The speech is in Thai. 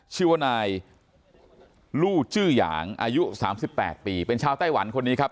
ชื่อว่านายลู่จื้อหยางอายุ๓๘ปีเป็นชาวไต้หวันคนนี้ครับ